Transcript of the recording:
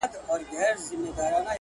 ول دښمن دي ړوند دئ، ول بينايي ئې کېږي.